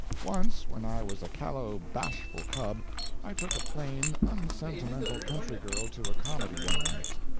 Once when I was a callow, bashful cub, I took a plain, unsentimental country girl to a comedy one night.